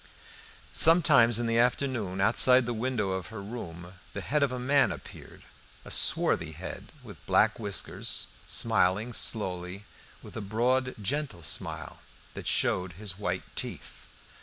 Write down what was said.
Sometimes in the afternoon outside the window of her room, the head of a man appeared, a swarthy head with black whiskers, smiling slowly, with a broad, gentle smile that showed his white teeth.